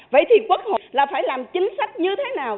vậy thì quốc hội là phải làm chính sách như thế nào